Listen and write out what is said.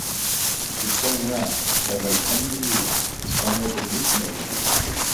The term ram, albeit commonly used, is somewhat a misnomer.